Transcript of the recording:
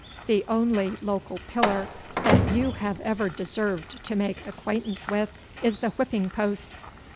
The only local pillar that you have ever deserved to make acquaintance with is the whipping post.